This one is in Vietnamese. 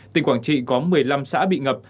tỉnh quảng trị có một mươi năm xã bị ngập